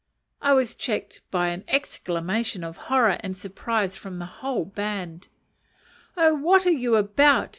I was checked by an exclamation of horror and surprise from the whole band "Oh, what are you about?